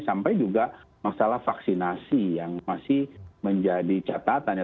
sampai juga masalah vaksinasi yang masih menjadi catatannya